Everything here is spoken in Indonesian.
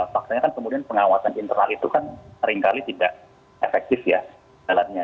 faktanya kan kemudian pengawasan internal itu kan seringkali tidak efektif ya jalannya